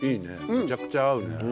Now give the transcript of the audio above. めちゃくちゃ合うね。